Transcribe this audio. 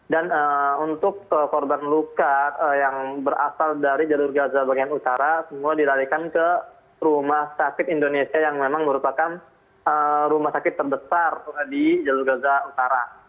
dan untuk korban luka yang berasal dari jalur gaza bagian utara semua diralikan ke rumah sakit indonesia yang memang merupakan rumah sakit terbesar di jalur gaza utara